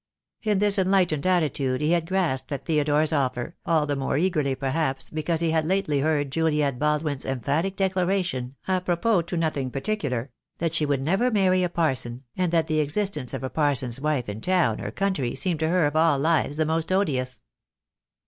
In this enlightened attitude he had grasped at Theodore's offer, all the more eagerly, perhaps, because he had lately heard Juliet Baldwin's emphatic declaration apropos to nothing particular — that she would never marry a parson, and that the existence of a parson's wife in town or country seemed to her of all lives the most odious.